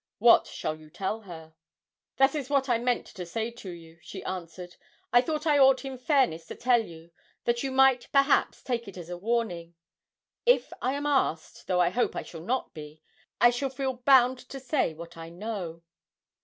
What shall you tell her?' 'That is what I meant to say to you!' she answered. 'I thought I ought in fairness to tell you that you might, perhaps, take it as a warning. If I am asked, though I hope I shall not be, I shall feel bound to say what I know.'